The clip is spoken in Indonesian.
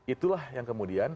itulah yang kemudian